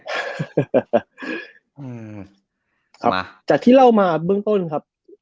ครับมาจากที่เล่ามาเบื้องต้นครับ